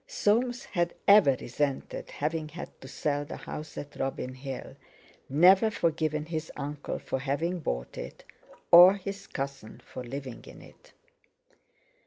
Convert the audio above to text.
Soames had ever resented having had to sell the house at Robin Hill; never forgiven his uncle for having bought it, or his cousin for living in it.